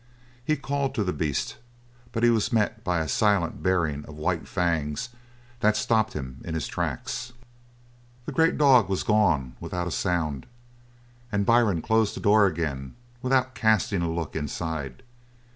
He called to the beast, but he was met by a silent baring of white fangs that stopped him in his tracks. The great dog was gone without a sound, and Byrne closed the door again without casting a look inside.